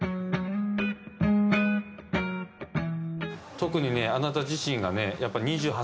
特にねあなた自身がね。